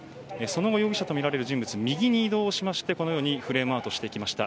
その後、容疑者とみられる人物は右に移動してフレームアウトしていきました。